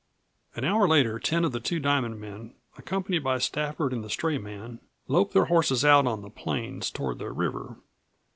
An hour later ten of the Two Diamond men, accompanied by Stafford and the stray man, loped their horses out on the plains toward the river.